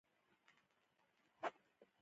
د پیرودونکي رضایت د ګټې کلید دی.